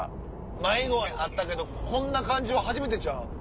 迷子はねあったけどこんな感じは初めてちゃう？